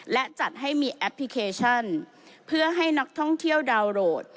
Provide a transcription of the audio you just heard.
และจัดให้มีแอปพลิเคชันเพื่อให้นักท่องเที่ยวดาวน์โหลด